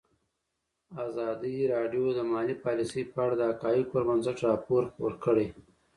ازادي راډیو د مالي پالیسي په اړه د حقایقو پر بنسټ راپور خپور کړی.